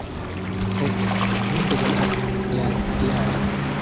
Ho, mi bezonas glaciaĵon.